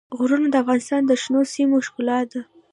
غرونه د افغانستان د شنو سیمو ښکلا ده.